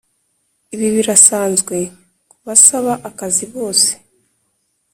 Ibi birasanzwe ku basaba akazi bose